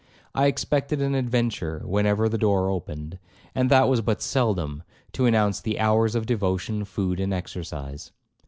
I expected an adventure whenever the door opened, and that was but seldom, to announce the hours of devotion, food, and exercise.